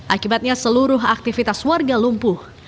akibatnya seluruh aktivitas warga lumpuh